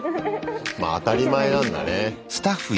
まあ当たり前なんだね。